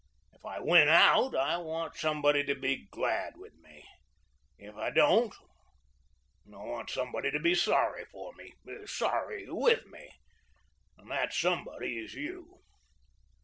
If I win out, I want somebody to be glad with me. If I don't I want somebody to be sorry for me, sorry with me, and that somebody is you.